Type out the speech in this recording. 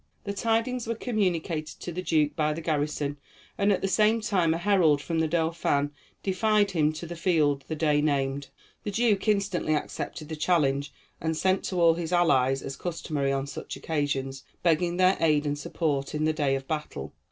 The tidings were communicated to the duke by the garrison, and at the same time a herald from the Dauphin defied him to the field the day named. The duke instantly accepted the challenge, and sent to all his allies, as customary on such occasions, begging their aid and support in the day of battle.